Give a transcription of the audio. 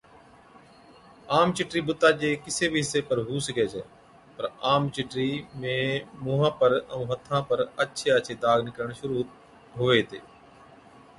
عام چِٽرِي بُتا چي ڪِسي بِي حصي پر هُو سِگھَي ڇَي، پَر عام چِٽرِي ۾ مُونهان پر ائُون هٿان پر آڇي آڇي داگ نِڪرڻ شرُوع هُوي هِتي۔